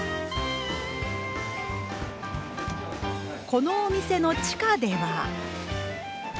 このお店の地下では。